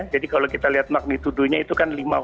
jadi kalau kita lihat magnitudenya itu kan lima enam